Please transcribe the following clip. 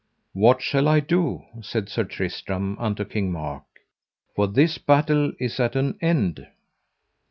What shall I do, said Sir Tristram unto King Mark, for this battle is at an end?